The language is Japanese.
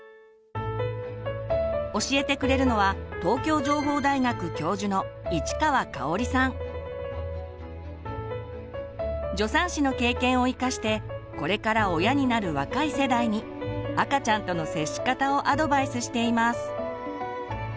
教えてくれるのは助産師の経験を生かしてこれから親になる若い世代に赤ちゃんとの接し方をアドバイスしています。